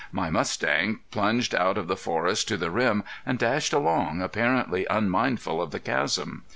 My mustang plunged out of the forest to the rim and dashed along, apparently unmindful of the chasm.